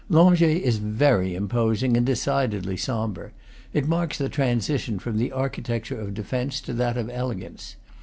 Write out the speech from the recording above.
Langeais is very imposing and decidedly sombre; it marks the transition from the architecture of defence to that of elegance.